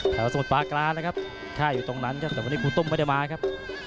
สมุทรปาการนะครับค่ายอยู่ตรงนั้นครับแต่วันนี้ครูตุ้มไม่ได้มาครับ